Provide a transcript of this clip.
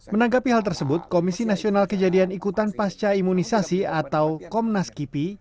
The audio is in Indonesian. menanggapi hal tersebut komisi nasional kejadian ikutan pasca imunisasi atau komnas kipi